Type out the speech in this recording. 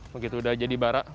begitu udah jadi bara